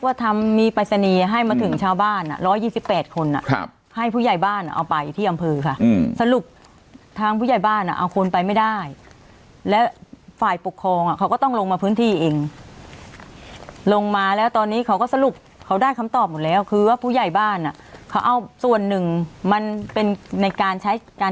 หมายถึงผู้ช่วยผู้ใหญ่บ้านต้องเสียเงินค่าตำแหน่งให้กับผู้ใหญ่บ้านอย่างนี้หรอ